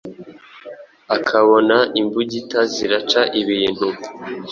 akabona imbugita ziraca ibintu